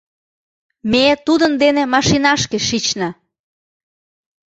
Ме тудын дене машинашке шична.